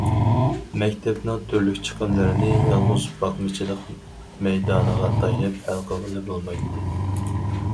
مەكتەپنىڭ تۈرلۈك چىقىملىرىنى يالغۇز باقمىچىلىق مەيدانىغا تايىنىپ ھەل قىلغىلى بولمايتتى.